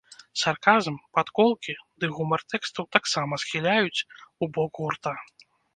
Сарказм, падколкі ды гумар тэкстаў таксама схіляюць ў бок гурта.